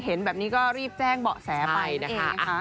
เห็นแบบนี้ก็รีบแจ้งเบาะแสไปนั่นเองนะคะ